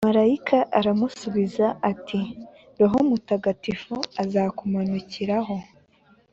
malayika aramusubiza ati :« rohomutagatifu azakumanukiraho